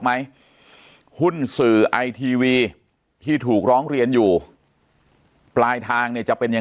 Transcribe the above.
ไหมหุ้นสื่อไอทีวีที่ถูกร้องเรียนอยู่ปลายทางเนี่ยจะเป็นยัง